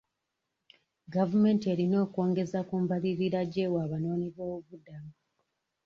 Gavumenti erina okwongeza ku mbalirira gyewa abanoonyi b'obubuddamu.